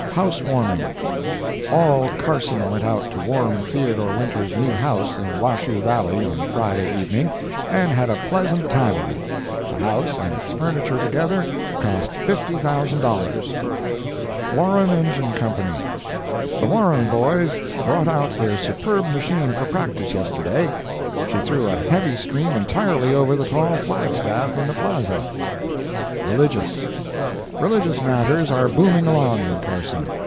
HOUSE WARMING All Carson went out to warm Theodore Winters' new house, in Washoe Valley, on Friday evening, and had a pleasant time of it. The house and its furniture together, cost $50,000. WARREN ENGINE COMPANY The Warren boys brought out their superb machine for practice yesterday. She threw a heavy stream entirely over the tall flag staff in the Plaza. RELIGIOUS Religious matters are booming along in Carson.